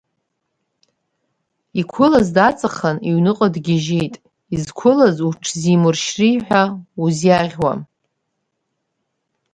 Иқәылаз даҵахан, иҩныҟа дгьежьит, изқәылаз уҽзимуршьри ҳәа узиаӷьуам.